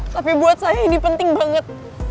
tapi buat saya ini penting banget